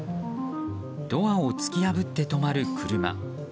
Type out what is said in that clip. ドアを突き破って止まる車。